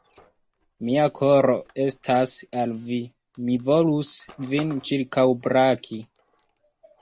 Mia koro estas al vi, mi volus vin ĉirkaŭbraki!